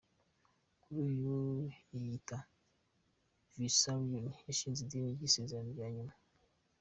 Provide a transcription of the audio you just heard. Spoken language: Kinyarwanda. Kuri ubu yiyita “Vissarion”, yashinze idini ry’Isezerano rya Nyuma.